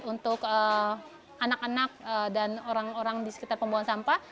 untuk anak anak dan orang orang di sekitar pembuangan sampah